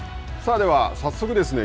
では早速ですね